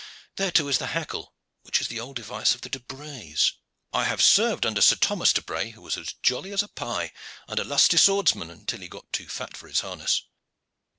There too is the hackle which is the old device of the De Brays. I have served under Sir Thomas de Bray, who was as jolly as a pie, and a lusty swordsman until he got too fat for his harness."